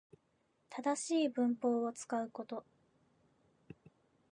正しい文法を使うこと